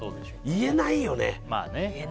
言えないよね。